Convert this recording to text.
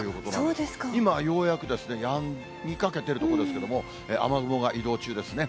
今、ようやくやみかけてるところですけれども、雨雲が移動中ですね。